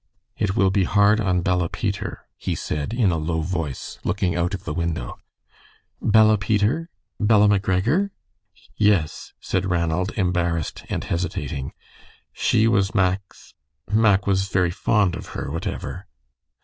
"It will be hard on Bella Peter," he said, in a low voice, looking out of the window. "Bella Peter? Bella McGregor?" "Yes," said Ranald, embarrassed and hesitating. "She was Mack's Mack was very fond of her, whatever."